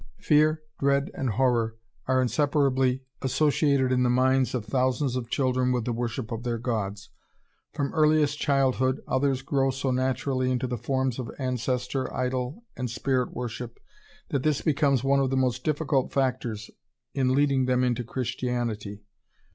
] Fear, dread, and horror are inseparably associated in the minds of thousands of children with the worship of their gods. From earliest childhood others grow so naturally into the forms of ancestor, idol, and spirit worship that this becomes one of the most difficult factors in leading them into Christianity.